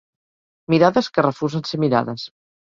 Mirades que refusen ser mirades.